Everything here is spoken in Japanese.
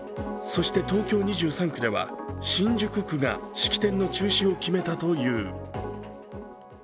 そして東京２３区では新宿区が式典の中止を決めたという。